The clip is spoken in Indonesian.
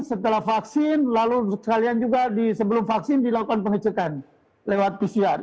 setelah vaksin lalu sekalian juga sebelum vaksin dilakukan pengecekan lewat pcr